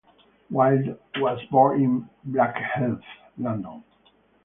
Wilde was born in Blackheath, London.